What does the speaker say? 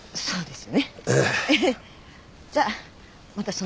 そうです。